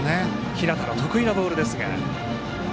日當の得意なボールですが。